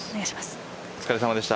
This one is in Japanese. お疲れさまでした。